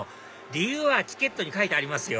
理由はチケットに書いてありますよ